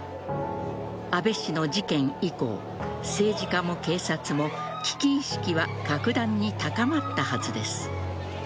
安倍氏の事件以降政治家も警察も、危機意識は格段に高まったはずです。